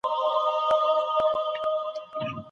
نورستان بې کندن کارۍ نه دی.